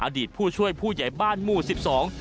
อดีตผู้ช่วยผู้ใหญ่บ้านหมู่สิบสอง